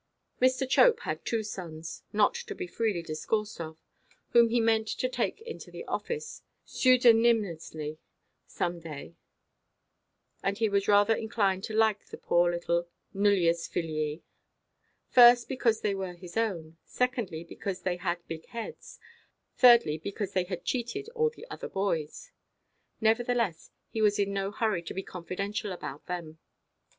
Mr. Chope had two sons, not to be freely discoursed of; whom he meant to take into the office, pseudonymously, some day; and he was rather inclined to like the poor little nullius filii. First, because they were his own; secondly, because they had big heads; thirdly, because they had cheated all the other boys. Nevertheless, he was in no hurry to be confidential about them.